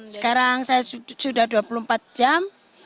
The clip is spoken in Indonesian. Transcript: sekarang saya sudah dua puluh empat jam